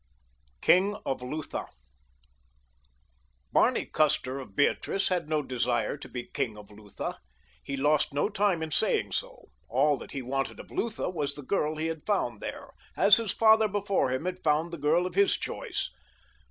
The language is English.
KING OF LUTHA Barney Custer, of Beatrice, had no desire to be king of Lutha. He lost no time in saying so. All that he wanted of Lutha was the girl he had found there, as his father before him had found the girl of his choice.